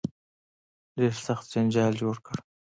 ډېر سخت جنجال جوړ کړ.